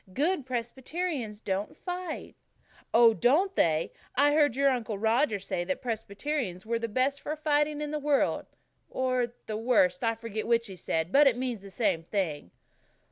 "Good Presbyterians don't fight." "Oh, don't they! I heard your Uncle Roger say that Presbyterians were the best for fighting in the world or the worst, I forget which he said, but it means the same thing."